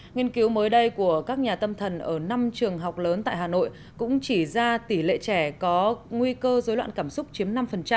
nghiên cứu mới đây của các nhà tâm thần ở năm trường học lớn tại hà nội cũng chỉ ra tỷ lệ trẻ có nguy cơ dối loạn cảm xúc chiếm năm